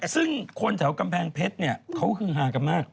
ซึ่งคนแถวกำแพงเพชรเนี่ยเขาฮือฮากันมาก